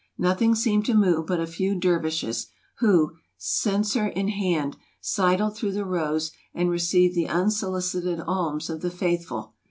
Nothing seemed to move but a few dervishes, who, cen ser in hand, sidled through the rows and received the un solicited alms of the faithful.